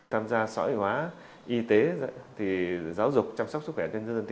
tham gia xã hội hóa y tế giáo dục chăm sóc sức khỏe cho dân dân